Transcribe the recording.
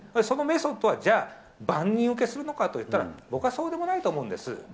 そのメソッドは、じゃあ、万人受けするのかといったら、僕はそうでもないと思うんです。